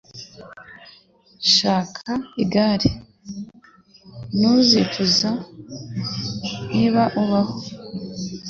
Shaka igare. Ntuzicuza, niba ubaho.